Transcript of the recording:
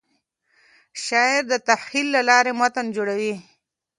شاعر د تخیل له لارې متن جوړوي.